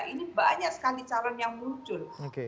ini banyak sekali calon yang muncul